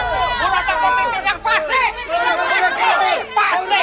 mulut pemimpin yang fasik